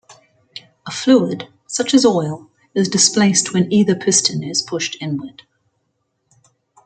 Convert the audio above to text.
A fluid, such as oil, is displaced when either piston is pushed inward.